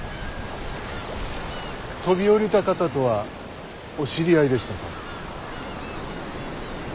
飛び降りた方とはお知り合いでしたか？